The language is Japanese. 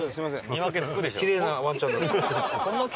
見分けつくでしょ？